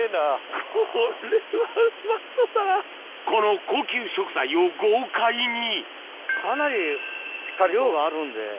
この高級食材を豪快にかなり量があるんで。